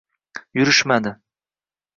Yurishmadi